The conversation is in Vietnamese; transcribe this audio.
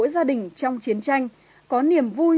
gia đình trong chiến tranh có niềm vui